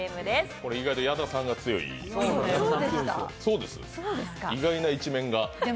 これ、意外と矢田さんが強い意外な一面が見られて。